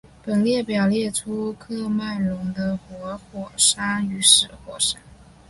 本列表列出喀麦隆的活火山与死火山。